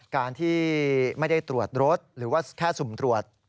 การที่ไม่ได้ตรวจรถหรือว่าแค่สุ่มตรวจ